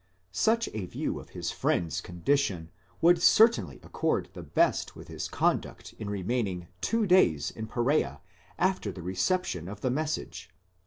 Such a view of his friend's condition would certainly accord the best with his conduct in remaining two days in Persea after the reception of the message (v.